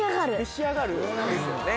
「召し上がる」ですよね。